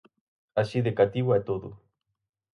Así de cativo é todo.